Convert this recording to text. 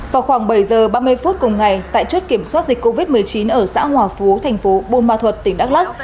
vào khoảng bảy h ba mươi phút cùng ngày tại chốt kiểm soát dịch covid một mươi chín ở xã hòa phú tp bun ma thuật tỉnh đắk lắk